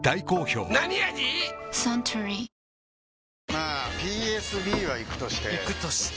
まあＰＳＢはイクとしてイクとして？